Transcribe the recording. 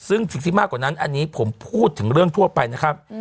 ซึ่งสิ่งที่มากกว่านั้นอันนี้ผมพูดถึงเรื่องทั่วไปนะครับ